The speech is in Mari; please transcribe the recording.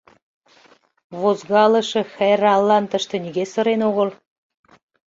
Возгалыше-хӓрралан тыште нигӧ сырен огыл.